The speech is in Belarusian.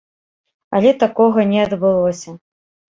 Але такога не адбылося.